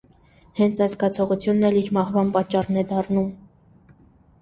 Հենց այս զգացողությունն էլ իր մահվան պատճառն է դառնում։